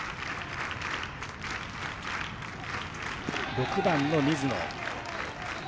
６番の水野。